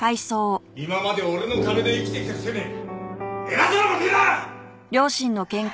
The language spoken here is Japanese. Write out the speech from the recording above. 今まで俺の金で生きてきたくせに偉そうな事言うな！